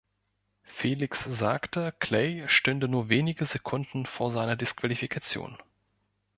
Felix sagte, Clay stünde nur wenige Sekunden vor seiner Disqualifikation.